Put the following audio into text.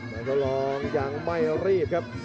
แต่ก็ลองยังไม่รีบครับ